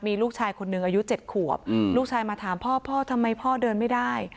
มีลูกชายคนหนึ่งอายุ๗ขวบลูกชายมาถามพ่อพ่อทำไมพ่อเดินไม่ได้